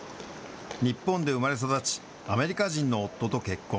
日本で生まれ育ち、アメリカ人の夫と結婚。